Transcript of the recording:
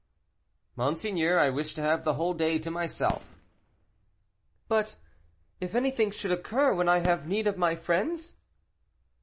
"Monseigneur, I wish to have the whole day to myself." "But if anything should occur when I have need of my friends?"